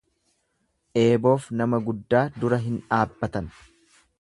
Eeboof nama guddaa dura hin dhaabbatan.